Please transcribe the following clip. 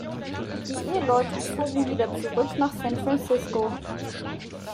Die Eheleute zogen wieder zurück nach San Francisco.